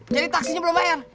jadi taksinya belum bayar